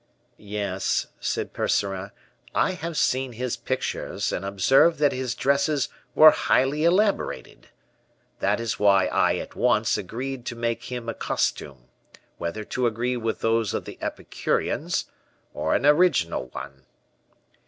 "Yes," said Percerin; "I have seen his pictures, and observed that his dresses were highly elaborated. That is why I at once agreed to make him a costume whether to agree with those of the Epicureans, or an original one."